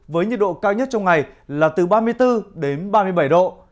với nhiệt độ cao nhất trong ngày là từ ba mươi bốn đến ba mươi bảy độ